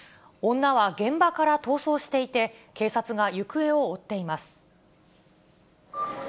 女は現場から逃走していて、警察が行方を追っています。